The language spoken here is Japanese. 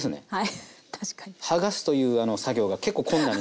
はい。